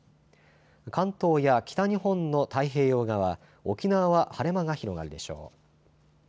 関東や北日本の太平洋側、沖縄は晴れ間が広がるでしょう。